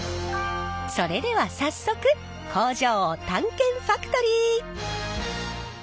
それでは早速工場を探検ファクトリー。